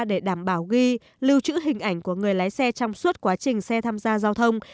để đảm bảo ghi lưu trữ hình ảnh của người lái xe trong suốt quá trình xe tham gia giao thông